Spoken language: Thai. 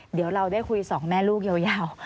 เดี๋ยวเราได้คุยสองแม่ลูกยาว